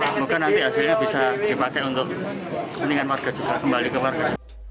semoga nanti hasilnya bisa dipakai untuk kembali ke warga